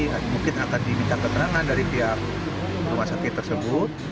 jadi mungkin akan diminta keterangan dari pihak rumah sakit tersebut